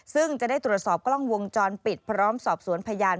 ซึ่งจะได้ตรวจสอบกล้องวงจรปิดพร้อมสอบสวนพยาน